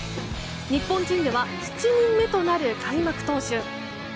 日本人では７人目となる開幕投手。